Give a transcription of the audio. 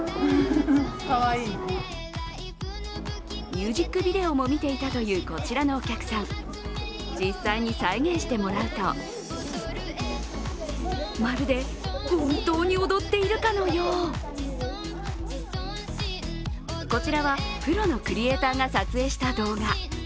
ミュージックビデオも見ていたというこちらのお客さん、実際に再現してもらうとまるで、本当に踊っているかのようこちらはプロのクリエイターが撮影した動画。